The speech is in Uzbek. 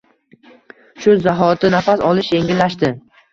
Shu zahoti nafas olish yengillashdi.